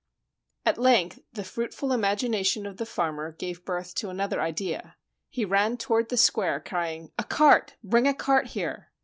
] At length the fruitful imagination of the farmer gave birth to another idea. He ran toward the square, crying; "A cart! Bring a cart here!"